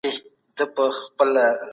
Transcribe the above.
خپل ورېښتان په تېلو غوړ کړئ.